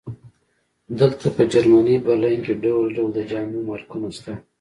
دلته په جرمني برلین کې ډول ډول د جامو مارکونه شته